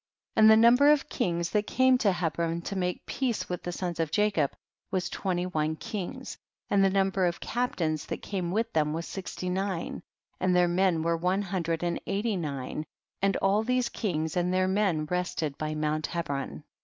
3 1 . And the number of kings that came to Hebron, to make peace with the sons of Jacob, was twenty one kings, and the number of captains that came with them was sixty nine, and their men were one hundred and eighty nine, and all these kings and their men rested by mount Hebron.